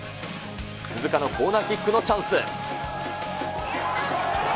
鈴鹿のコーナーキックのチャンス。